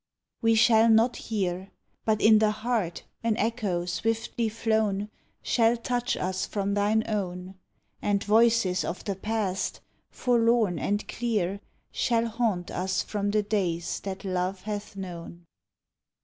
TO TWILIGHT We shall not hear; But in the heart an echo swiftly flown Shall touch us from thine own, And voices of the past, forlorn and clear, Shall haunt us from the days that love hath known